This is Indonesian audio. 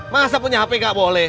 masa punya hp nggak boleh